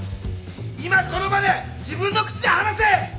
今この場で自分の口で話せ！